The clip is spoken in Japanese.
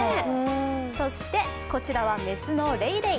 そして、こちらは雌のレイレイ。